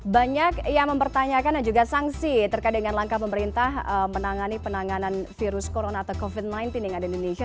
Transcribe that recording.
banyak yang mempertanyakan dan juga sanksi terkait dengan langkah pemerintah menangani penanganan virus corona atau covid sembilan belas yang ada di indonesia